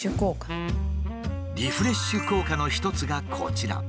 リフレッシュ効果の一つがこちら。